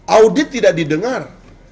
audit tidak didengar